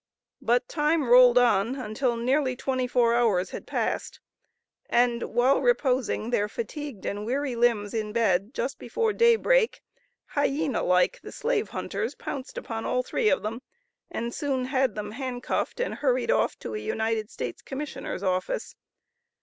But time rolled on until nearly twenty four hours had passed, and while reposing their fatigued and weary limbs in bed, just before day break, hyena like the slave hunters pounced upon all three of them, and soon had them hand cuffed and hurried off to a United States' Commissioner's office.